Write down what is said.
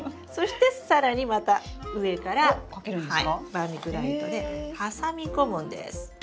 バーミキュライトで挟み込むんです。